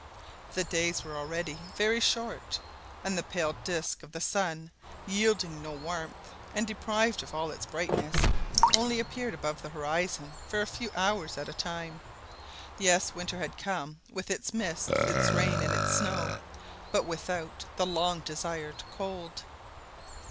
The days were already very short, and the pale disc of the sun, yielding no warmth, and deprived of all its brightness, only appeared above the horizon for a few hours at a time. Yes, winter had come with its mists, its rain, and its snow, but without the long desired cold.